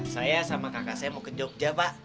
saya sama kakak saya mau ke jogja pak